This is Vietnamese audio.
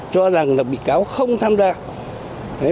cho rằng là bị cáo không tham gia